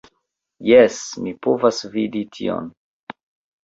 Jes, mi povas vidi tion